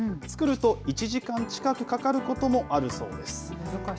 作ると１時間近くかかることもあるそうです。